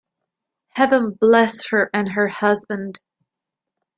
Heaven bless her and her husband!